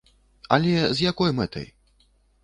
Але з якой мэтай?